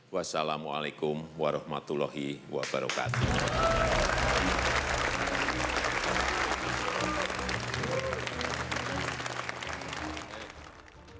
wassalamu'alaikum warahmatullahi wabarakatuh